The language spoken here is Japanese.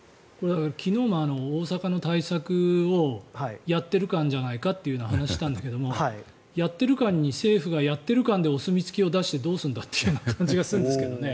昨日も大阪の対策をやっている感じゃないかという話をしたんだけどやっている感に政府がやっている感でお墨付きを出してどうするんだという感じがするんですけどね。